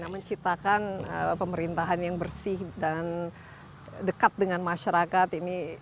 menciptakan pemerintahan yang bersih dan dekat dengan masyarakat ini